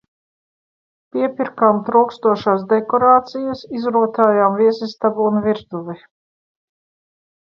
Piepirkām trūkstošās dekorācijas, izrotājām viesistabu un virtuvi.